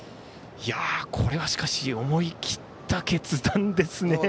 これは思い切った決断ですね。